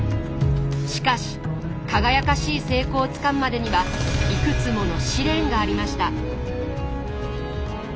しかし輝かしい成功をつかむまでにはいくつもの試練がありました。